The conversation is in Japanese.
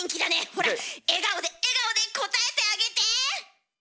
ほら笑顔で笑顔で応えてあげて！